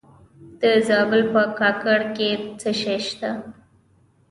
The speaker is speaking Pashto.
د زابل په کاکړ کې څه شی شته؟